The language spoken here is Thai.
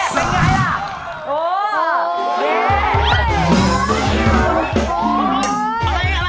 เป็นไงอ่ะ